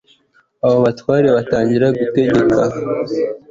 abo batware batangira gutegeka